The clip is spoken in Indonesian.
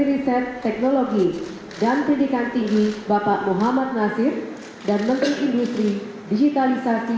riset teknologi dan pendidikan tinggi bapak muhammad nasir dan menteri industri digitalisasi